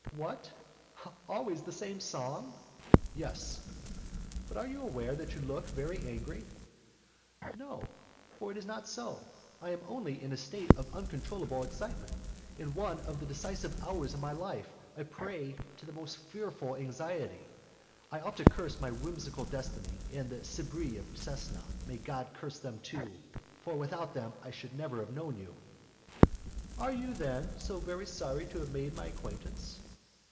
"What! always the same song?" "Yes." "But are you aware that you look very angry?" "No, for it is not so. I am only in a state of uncontrollable excitement, in one of the decisive hours of my life, a prey to the most fearful anxiety. I ought to curse my whimsical destiny and the 'sbirri' of Cesena (may God curse them, too!), for, without them, I should never have known you." "Are you, then, so very sorry to have made my acquaintance?"